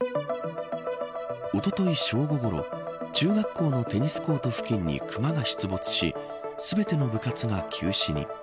おととい正午ごろ、中学校のテニスコート付近にクマが出没し全ての部活が休止に。